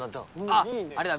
あっあれだ